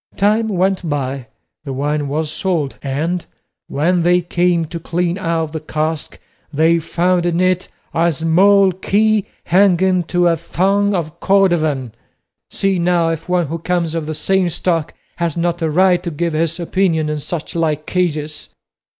Time went by, the wine was sold, and when they came to clean out the cask, they found in it a small key hanging to a thong of cordovan; see now if one who comes of the same stock has not a right to give his opinion in such like cases."